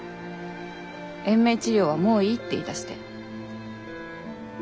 延命治療はもういいって」って言いだして。